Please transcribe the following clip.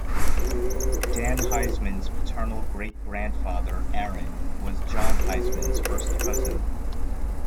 Dan Heisman's paternal great-grandfather, Aaron, was John Heisman's first cousin.